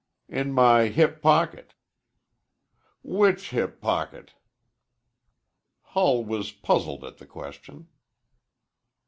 "In my hip pocket." "Which hip pocket?" Hull was puzzled at the question.